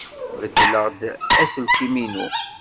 Beddleɣ-d aselkim-inu.